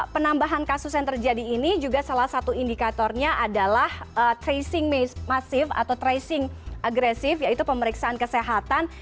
penambahan kasus yang terjadi ini juga salah satu indikatornya adalah tracing masif atau tracing agresif yaitu pemeriksaan kesehatan